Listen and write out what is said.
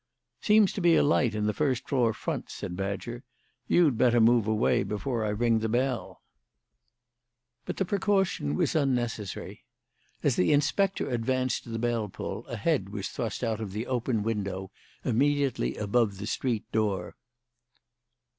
"Seems to be a light in the first floor front," said Badger. "You'd better move away before I ring the bell." But the precaution was unnecessary. As the inspector advanced to the bell pull a head was thrust out of the open window immediately above the street door.